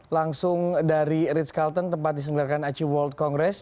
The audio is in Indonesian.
langsung dari ritz carlton tempat disenggerakan aci world congress